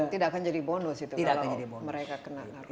tidak akan jadi bonus itu kalau mereka kena narkoba